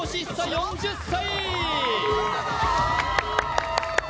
４０歳！